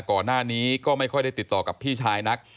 ก่อนหน้านี้ก็ไม่ค่อยได้ติดต่อกับพี่ชายนัก